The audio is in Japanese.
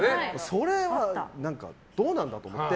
それはどうなんだと思って。